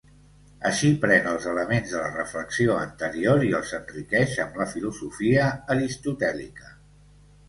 Així pren els elements de la reflexió anterior i els enriqueix amb la filosofia aristotèlica.